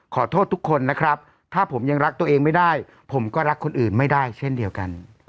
ขอโทษทุกคนนะครับถ้าผมยังรักตัวเองไม่ได้ผมก็รักคนอื่นไม่ได้เช่นเดียวกัน